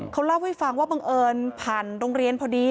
เขาเล่าให้ฟังว่าบังเอิญผ่านโรงเรียนพอดี